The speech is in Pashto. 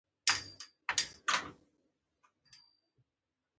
سپي مه ځوروئ.